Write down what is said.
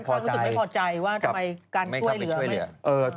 ท่านค่อนข้างรู้สึกไม่พอใจว่าทำไมการช่วยเหลือ